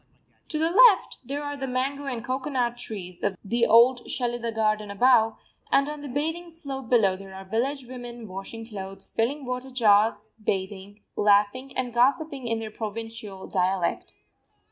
To the left there are the mango and cocoanut trees of the old Shelidah garden above, and on the bathing slope below there are village women washing clothes, filling water jars, bathing, laughing and gossiping in their provincial dialect.